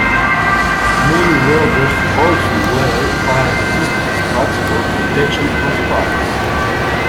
Many welders also wear fire-resistant spats for protection from sparks.